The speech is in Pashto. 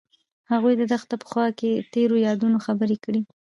هغوی د دښته په خوا کې تیرو یادونو خبرې کړې.